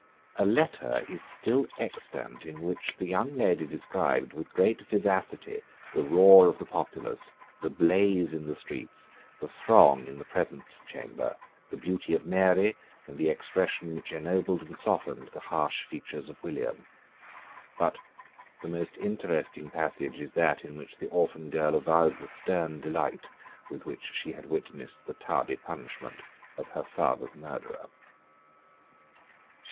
A letter is still extant in which the young lady described with great vivacity the roar of the populace, the blaze in the streets, the throng in the presence chamber, the beauty of Mary, and the expression which ennobled and softened the harsh features of William. But the most interesting passage is that in which the orphan girl avowed the stern delight with which she had witnessed the tardy punishment of her father's murderer.